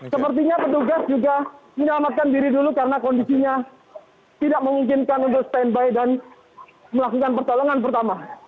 sepertinya petugas juga menyelamatkan diri dulu karena kondisinya tidak memungkinkan untuk standby dan melakukan pertolongan pertama